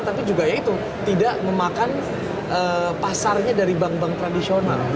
tapi juga ya itu tidak memakan pasarnya dari bank bank tradisional